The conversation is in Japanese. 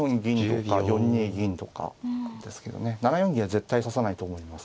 ７四銀は絶対指さないと思います。